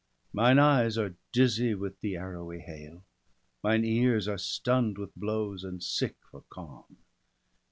Mine eyes are dizzy with the arrowy hail; Mine ears are stunn'd with blows, and sick for calm.